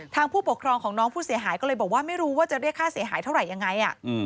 ผู้ปกครองของน้องผู้เสียหายก็เลยบอกว่าไม่รู้ว่าจะเรียกค่าเสียหายเท่าไหร่ยังไง